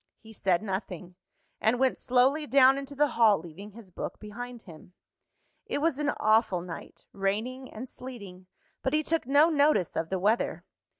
He said nothing; and went slowly down into the hall, leaving his book behind him. It was an awful night, raining and sleeting but he took no notice of the weather.